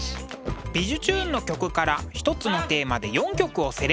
「びじゅチューン！」の曲から一つのテーマで４曲をセレクト。